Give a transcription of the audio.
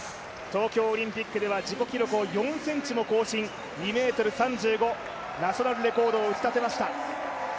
東京オリンピックでは自己記録を４ｃｍも更新、２ｍ３５、ナショナルレコードを打ちたてました。